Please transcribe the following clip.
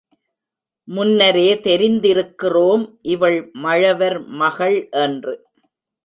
முன்னரே தெரிந்திருக்கிறோம், இவள் மழவர் மகள் என்று.